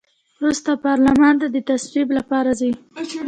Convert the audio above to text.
وروسته پارلمان ته د تصویب لپاره ځي.